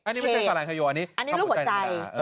อันนี้ไม่ใช่สรังเฮโยอันนี้คือลูกหัวใจ